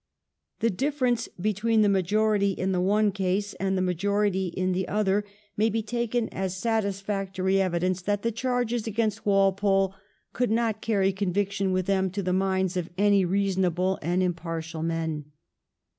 The difierence between the majority in the one case and the majority in the other may be taken Q 2 228 THE HEIGN OF QtJEEN ANNE. ch. txxi. as satisfactory evidence that the charges against Walpole could not carry conviction with them to the minds of any reasonable and impartial men.